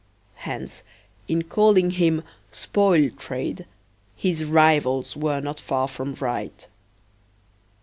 Hence, in calling him "spoil trade," his rivals were not far from right.